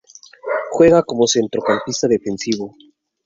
Juega como centrocampista defensivo.